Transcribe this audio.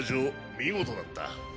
見事だった